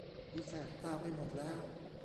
กูแสบตาไปหมดแล้ว